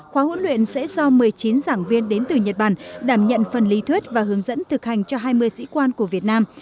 khóa huấn luyện sẽ do một mươi chín giảng viên đến từ nhật bản đảm nhận phần lý thuyết và hướng dẫn thực hành cho hai mươi sĩ quan của việt nam